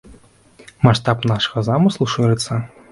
Маштаб нашага замыслу шырыцца.